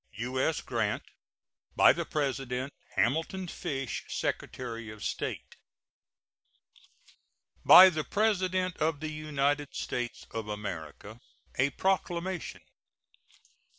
U.S. GRANT. By the President: HAMILTON FISH, Secretary of State. BY THE PRESIDENT OF THE UNITED STATES OF AMERICA. A PROCLAMATION.